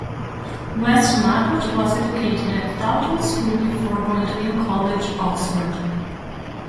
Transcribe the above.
Westmacott was educated at Taunton School before going to New College, Oxford.